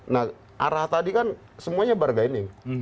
nah arah tadi kan semuanya bargaining